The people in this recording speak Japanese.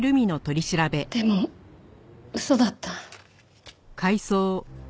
でも嘘だった。